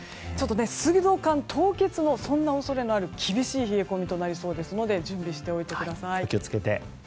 水道管凍結の恐れもある厳しい冷え込みとなりそうですので準備しておいてください。